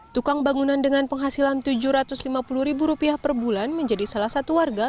tukang bangunan dengan penghasilan rp tujuh ratus lima puluh ribu rupiah per bulan menjadi salah satu warga